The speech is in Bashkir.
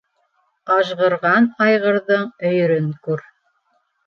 Ажғырған айғырҙың өйөрөн күр.